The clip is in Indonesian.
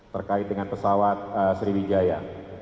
terkait dengan pesawat sriwijaya